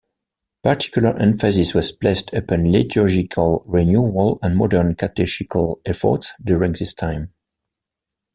Particular emphasis was placed upon liturgical renewal and modern catechetical efforts during this time.